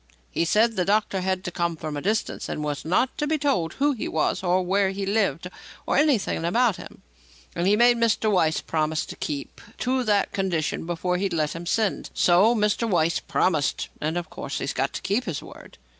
He said the doctor was to come from a distance and was not to be told who he was or where he lived or anything about him; and he made Mr. Weiss promise to keep to that condition before he'd let him send. So Mr. Weiss promised, and, of course, he's got to keep his word."